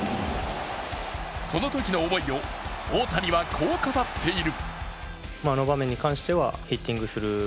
このときの思いを大谷はこう語っている。